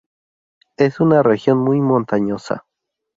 Es una región muy montañosa.